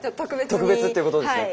特別っていうことですね。